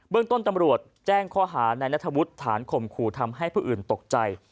เบื้องต้นตำรวจแจ้งข้อหาในณธวรรษภานคมขุทำให้ผู้อื่นตกใจ